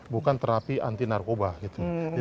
bukan terapi anti narkoba gitu